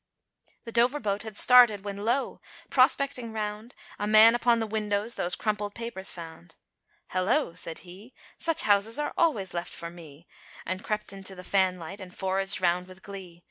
The Dover boat had started, when, lo! prospecting round, A man upon the windows, those crumpled papers found. "Hello!" said he, "such houses are always left for me," And crept into the fanlight, and foraged round with glee.